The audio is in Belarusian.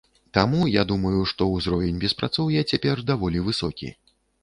Таму, я думаю, што ўзровень беспрацоўя цяпер даволі высокі.